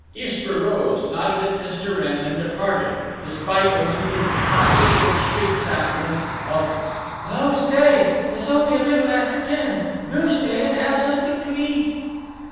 Istra rose, nodded at Mr. Wrenn, and departed, despite Olympia's hospitable shrieks after them of "Oh stay! It's only a little after ten. Do stay and have something to eat."